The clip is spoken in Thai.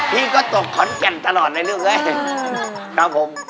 อ๋อพี่ก็ตกคอนเจ็นต์ตลอดในเรื่องนี้นะครับผม